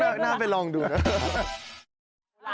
น่าไปลองดูนะ